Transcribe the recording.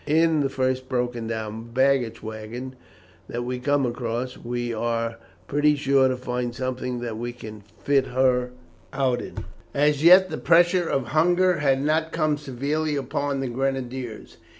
In the first broken down baggage waggon that we come across, we are pretty sure to find something that we can fit her out in." As yet the pressure of hunger had not come severely upon the grenadiers.